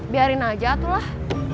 biarin aja itulah